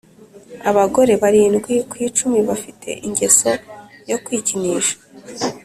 Abagore barindwi ku icumi bafite ingeso yo kwikinisha